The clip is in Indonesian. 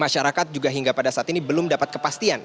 masyarakat juga hingga pada saat ini belum dapat kepastian